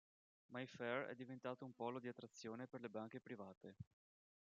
Mayfair è diventato un polo di attrazione per le banche private.